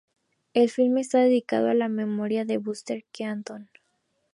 El filme está dedicado a la memoria de Buster Keaton.